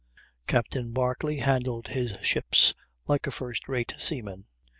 Captain Barclay handled his ships like a first rate seaman.